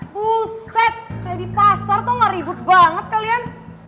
buset kayak di pasar tuh ngeribut banget kalian